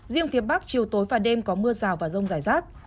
riêng phía bắc chiều tối và đêm có mưa rào và rông rải rác